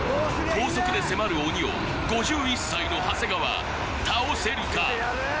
高速で迫る鬼を５１歳の長谷川倒せるか？